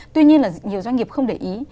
tuy nhiên là nhiều doanh nghiệp không để ý